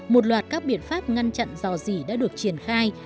một loạt các biện pháp ngăn chặn giò rỉ đã được triển khai